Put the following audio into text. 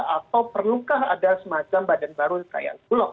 atau perlukah ada semacam badan baru kayak bulog